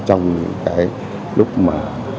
trong cái lúc mà